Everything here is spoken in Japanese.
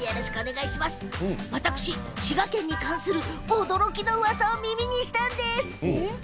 私、滋賀県に関する驚きのうわさを耳にしたんです。